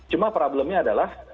cuma problemnya adalah